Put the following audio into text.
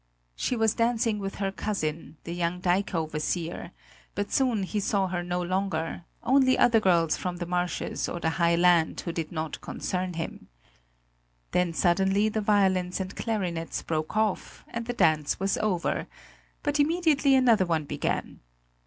She was dancing with her cousin, the young dike overseer; but soon he saw her no longer, only other girls from the marshes or the high land who did not concern him. Then suddenly the violins and clarinets broke off, and the dance was over; but immediately another one began.